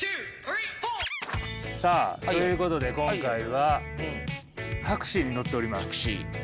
さあということで今回はタクシーに乗っております。